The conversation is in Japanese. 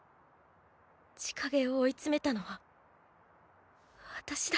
千景を追い詰めたのは私だ。